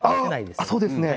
そうですね。